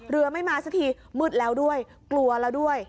ไม่มาสักทีมืดแล้วด้วยกลัวแล้วด้วย